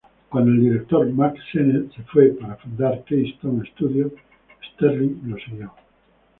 Cuando el director Mack Sennett se fue para fundar Keystone Studios, Sterling lo siguió.